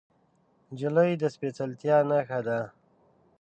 نجلۍ د سپیڅلتیا نښه ده.